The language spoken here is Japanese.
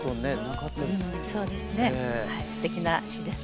すてきな詞です。